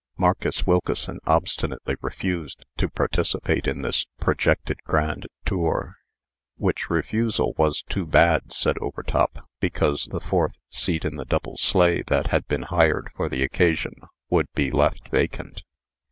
Marcus Wilkeson obstinately refused to participate in this projected grand tour; which refusal was too bad, said Overtop, because the fourth seat in the double sleigh that had been hired for the occasion would be left vacant.